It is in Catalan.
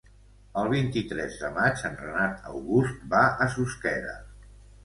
El vint-i-tres de maig en Renat August va a Susqueda.